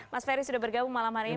mas ferry sudah bergabung malam hari ini